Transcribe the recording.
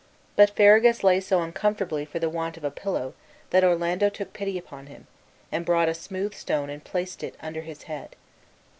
But Ferragus lay so uncomfortably for the want of a pillow that Orlando took pity upon him, and brought a smooth stone and placed it under his head.